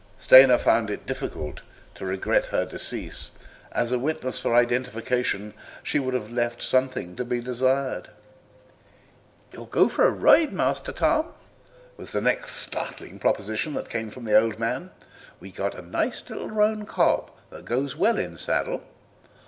Stoner found it difficult to regret her decease; as a witness for identification she would have left something to be desired. "You'll go for a ride, Master Tom?" was the next startling proposition that came from the old man. "We've a nice little roan cob that goes well in saddle.